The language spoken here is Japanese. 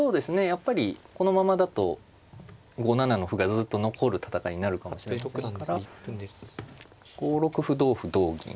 やっぱりこのままだと５七の歩がずっと残る戦いになるかもしれませんから５六歩同歩同銀